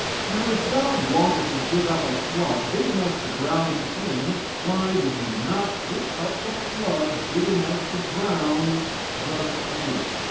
Now, if God wanted to get up a flood big enough to drown sin, why did He not get up a flood big enough to drown the snake?